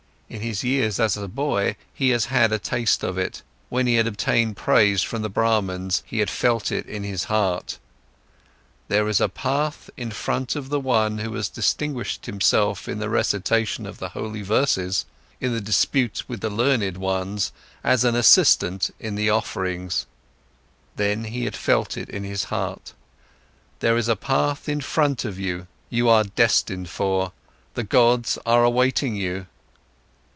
In his years as a boy, he had had a taste of it, when he had obtained praise from the Brahmans, he had felt it in his heart: "There is a path in front of the one who has distinguished himself in the recitation of the holy verses, in the dispute with the learned ones, as an assistant in the offerings." Then, he had felt it in his heart: "There is a path in front of you, you are destined for, the gods are awaiting you."